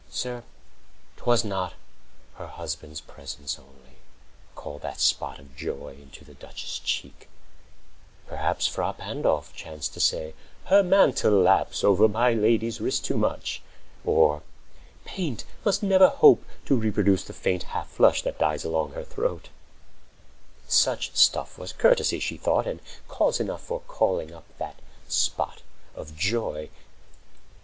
Sir, 'twas not Her husband's presence only, called that spot Of joy into the Duchess' cheek; perhaps15 Frà Pandolf chanced to say, "Her mantle laps Over my lady's wrist too much," or "Paint Must never hope to reproduce the faint Half flush that dies along her throat"; such stuff Was courtesy, she thought, and cause enough20 For calling up that spot of joy.